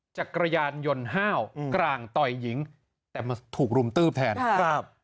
จักรยานยนต์ห้าวกลางต่อยหญิงแต่มาถูกรุมตื้อแทนครับ